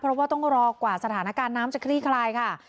เพราะว่าต้องรอกว่าสถานการณ์น้ำจะคลี่คลายค่ะ